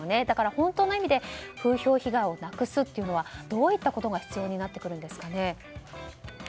だから本当の意味で風評被害をなくすということはどういったことが必要になってくるんですかね。